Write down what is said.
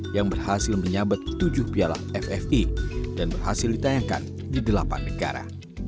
yang berhasil menyabet tujuh piala ffi dan berhasil ditayangkan di delapan negara